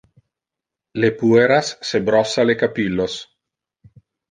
Le pueras se brossa le capillos.